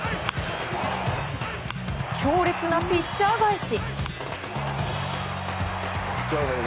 強烈なピッチャー返し。